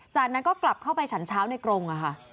จากนั้นก็กลับเข้าไปฉันเช้าในกรงค่ะ